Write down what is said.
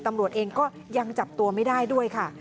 ตำรวจเองก็ยังจับตัวไม่ได้ด้วยค่ะ